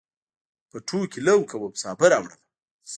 پټو کې لو کوم، سابه راوړمه